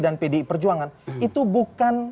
dan pdi perjuangan itu bukan